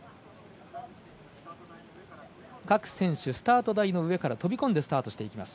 各選手スタート台の上から飛び込んでスタートします。